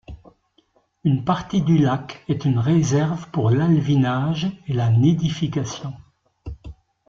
Une partie du lac est une réserve pour l'alevinage et la nidification.